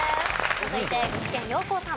続いて具志堅用高さん。